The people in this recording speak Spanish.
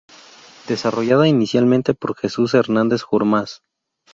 Desarrollada inicialmente por Jesús Hernández Gormaz.